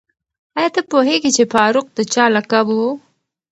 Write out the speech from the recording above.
آیا ته پوهېږې چې فاروق د چا لقب و؟